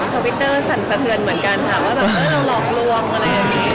แก๊งทวิตเตอร์สั่นประเทือนเหมือนกันถามว่าเราหลอกลวงอะไรแบบนี้